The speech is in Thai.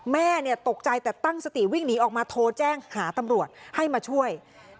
แม่ตกใจแต่ตั้งสติวิ่งหนีออกมาโทรแจ้งหาตำรวจให้มาช่วย